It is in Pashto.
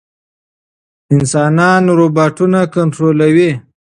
انسانان روباټونه کنټرولوي.